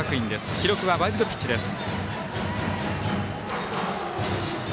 記録はワイルドピッチです。